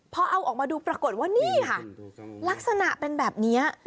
พอเอาออกมาดูปรากฏว่านี่ค่ะลักษณะเป็นแบบนี้